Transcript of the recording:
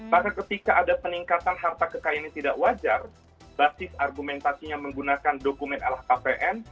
maka ketika ada peningkatan harta kekayaan yang tidak wajar basis argumentasinya menggunakan dokumen lhkpn